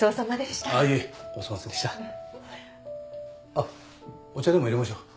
あっお茶でも入れましょう。